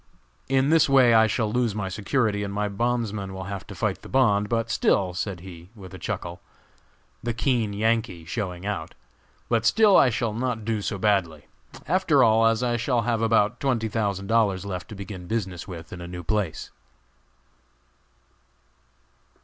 In this way I shall lose my security, and my bondsmen will have to fight the bond; but still," said he, with a chuckle, the keen Yankee showing out, "but still I shall not do so badly, after all, as I shall have about twenty thousand dollars left to begin business with in a new place."